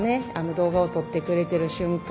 動画を撮ってくれてる瞬間